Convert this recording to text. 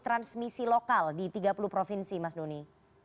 transmisi lokal di tiga puluh provinsi mas doni